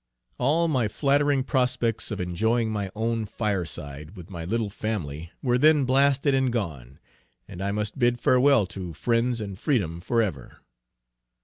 All my flattering prospects of enjoying my own fire side, with my little family, were then blasted and gone; and I must bid farewell to friends and freedom forever.